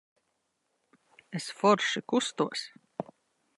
Es forši kustos.